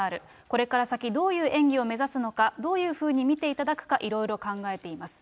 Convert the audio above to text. これから先、どういう演技を目指すのか、どういうふうに見ていただくか、いろいろ考えています。